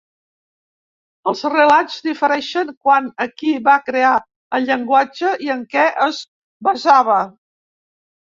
Els relats difereixen quant a qui va crear el llenguatge i en què es basava.